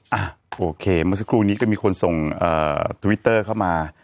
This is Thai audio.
อ่ะโอเคเมื่อสักครู่นี้ก็มีคนส่งทวิตเตอร์เข้ามา